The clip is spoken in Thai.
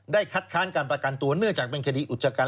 คัดค้านการประกันตัวเนื่องจากเป็นคดีอุจกรรม